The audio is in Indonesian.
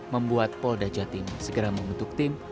membuat polda jawa timur segera membentuk tim